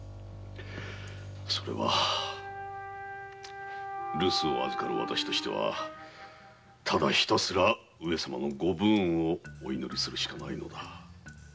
それは留守を預かるわたしとしてはただひたすら上様のご武運をお祈りするしかないのだ。